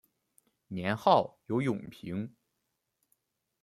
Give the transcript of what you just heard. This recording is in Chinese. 年号有永平。